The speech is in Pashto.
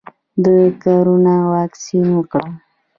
د کرونا واکسین وکړم؟